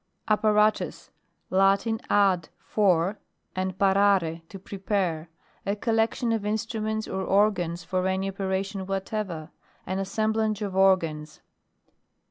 APPARATUS. Latin, ad, for, and par ore to prepare: a collection of in struments or organs for any opera tion whatever. An assemblage of organs.